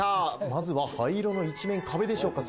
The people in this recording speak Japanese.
まずは灰色の一面壁でしょうか